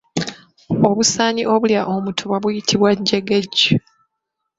Obusaanyi obulya omutuba buyitibwa jjegeju.